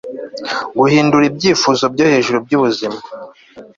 Guhindura ibyifuzo byo hejuru byubuzima